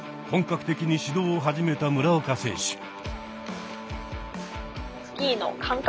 本格的に始動を始めた村岡選手。